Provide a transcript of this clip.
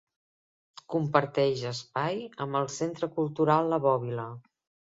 Comparteix espai amb el Centre Cultural La Bòbila.